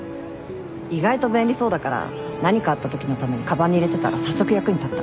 意外と便利そうだから何かあったときのためにかばんに入れてたら早速役に立った。